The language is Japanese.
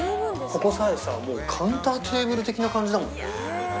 ここさえ、カウンターテーブル的な感じだもんね。